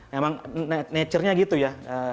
memang nature nya gitu ya